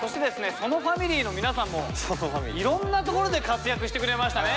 園ファミリーの皆さんもいろんなところで活躍してくれましたね。